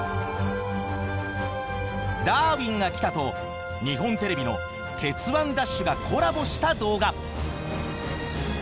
「ダーウィンが来た！」と日本テレビの「鉄腕！ＤＡＳＨ！！」がコラボした動画。